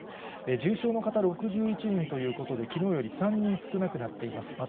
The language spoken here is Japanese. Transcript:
重症の方６１人ということで、きのうより３人少なくなっています。